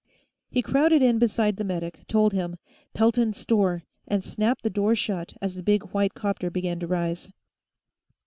He crowded in beside the medic, told him, "Pelton's store," and snapped the door shut as the big white 'copter began to rise.